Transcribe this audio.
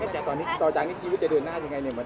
แต่ตอนนี้ต่อจากนี้ชีวิตจะเดินหน้ายังไงเนี่ย